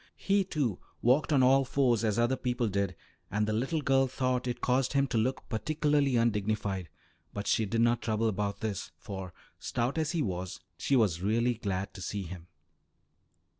He, too, walked on all fours as other people did, and the little girl thought it caused him to look particularly undignified, but she did not trouble about this, for, stout as he was, she was really glad to see him.